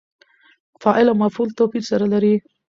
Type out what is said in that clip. فاعل او مفعول توپیر سره لري.